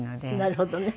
なるほどね。